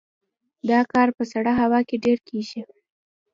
دا کار په سړه هوا کې ډیر کیږي